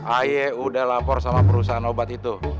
ayo udah lapor sama perusahaan obat itu